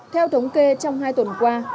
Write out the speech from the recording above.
theo thống kê trong hai tuần qua